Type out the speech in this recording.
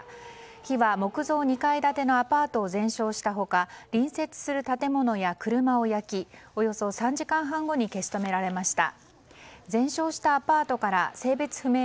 火は木造２階建てのアパートを全焼した他隣接する建物や車を焼きおよそ３時間半後に消し止められました。